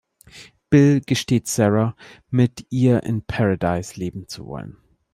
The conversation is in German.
Bill gesteht Sarah, mit ihr in Paradise leben zu wollen.